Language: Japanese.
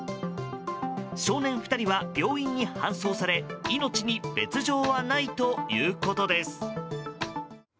少年２人は病院に搬送され命に別状はないということです。